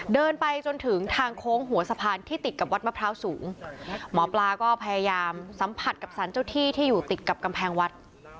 เดินไปจนถึงทางโค้งหัวสะพานที่ติดกับวัดมะพร้าวสูงหมอปลาก็พยายามสัมผัสกับสารเจ้าที่ที่อยู่ติดกับกำแพงวัด